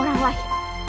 bukan orang lain